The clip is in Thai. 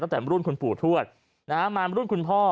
ตั้งแต่รุ่นคุณปู่ทวดมารุ่นคุณพ่อ